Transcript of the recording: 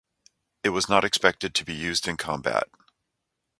It was not expected to be used in combat.